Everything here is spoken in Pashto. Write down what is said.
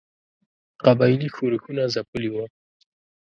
قبایلي ښورښونه ځپلي وه.